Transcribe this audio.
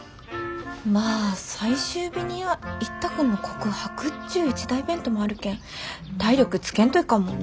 まあ最終日には一太君の告白っちゅう一大イベントもあるけん体力つけんといかんもんね。